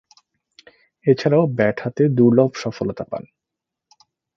এছাড়াও ব্যাট হাতে দূর্লভ সফলতা পান।